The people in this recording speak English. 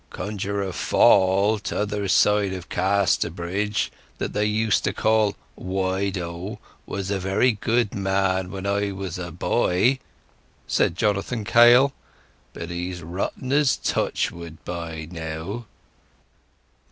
"Conjuror Fall, t'other side of Casterbridge, that they used to call 'Wide O', was a very good man when I was a boy," said Jonathan Kail. "But he's rotten as touchwood by now."